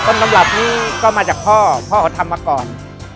ตำรับนี้ก็มาจากพ่อพ่อเขาทำมาก่อน